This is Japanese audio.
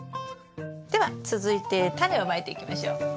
では続いてタネをまいていきましょう。